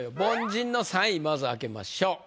凡人の３位まず開けましょう。